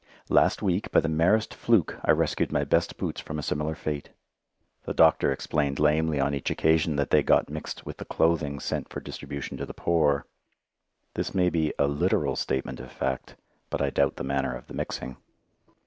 Last week, by the merest fluke, I rescued my best boots from a similar fate. The doctor explained lamely on each occasion that they got mixed with the clothing sent for distribution to the poor. This may be a literal statement of fact, but I doubt the manner of the mixing.